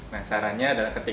nah sarannya adalah ketika